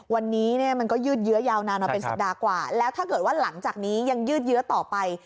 วันนี้เนี่ยมันก็ยืดเยื้อยาวนานมาเป็นสัปดาห์กว่าแล้วถ้าเกิดว่าหลังจากนี้ยังยืดเยื้อต่อไป